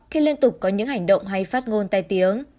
khi liên tục có những hành động hay phát ngôn tai tiếng